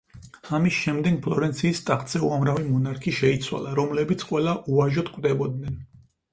ამის შემდეგ ფლორენციის ტახტზე უამრავი მონარქი შეიცვალა, რომლებიც ყველა უვაჟოდ კვდებოდნენ.